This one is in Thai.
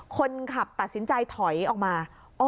คนขับตัดสินใจถอยออกมา